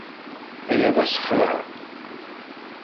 Aya d asexlaɛ.